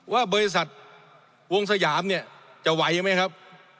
ว่าบริษัทวงสยามเนี่ยจะไหวไหมครับ